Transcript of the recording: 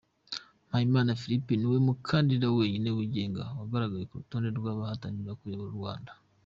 Mpayimana Philippe niwe mukandida wenyine wigenga wagaragaye k’urutonde rw’abahatanira kuyobora u Rwanda.